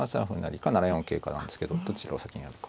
７四桂かなんですけどどちらを先にやるのか。